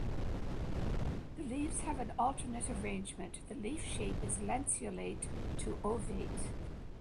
The leaves have an alternate arrangement, The leaf shape is lanceolate to ovate.